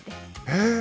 へえ！